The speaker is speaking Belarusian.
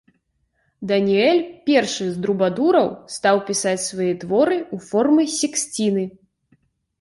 Даніэль першы з трубадураў стаў пісаць свае творы ў форме сексціны.